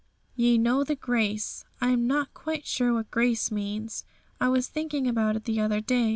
'"Ye know the grace." I'm not quite sure what grace means; I was thinking about it the other day.